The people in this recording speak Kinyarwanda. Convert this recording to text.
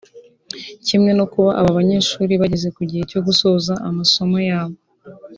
kimwe no kuba aba banyeshuri bageze ku gihe cyo gusoza amasomo yabo